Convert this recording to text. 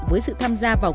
với sự tham gia vào